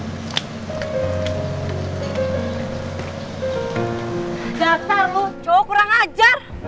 daktar lu cowok kurang ajar